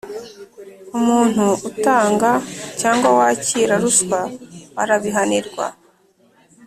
Umuntu utanga cyangwa wakira ruswa arabihanirwa